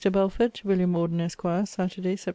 BELFORD, TO WILLIAM MORDEN, ESQ. SATURDAY, SEPT.